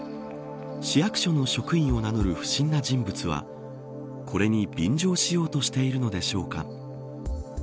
市役所の職員を名乗る不審な人物はこれに便乗しようとしているのでしょうか。